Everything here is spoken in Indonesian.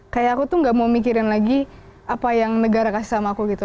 kayak aku tuh gak mau mikirin lagi apa yang negara kasih sama aku gitu